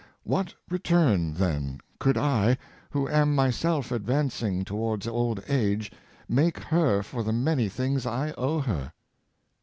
"What return, then, could I, who am myself advan cing towards old age, make her for the many things I owe her?